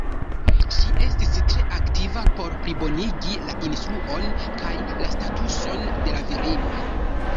Ŝi estis tre aktiva por plibonigi la instruon kaj la statuson de la virinoj.